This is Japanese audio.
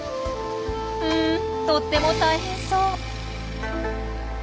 うんとっても大変そう。